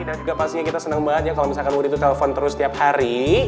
dan juga pastinya kita seneng banget ya kalau misalkan wuri tuh telpon terus tiap hari